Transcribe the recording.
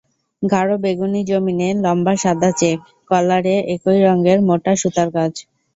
গাঢ় বেগুনি জমিনে লম্বা সাদা চেক, কলারে একই রঙের মোটা সুতার কাজ।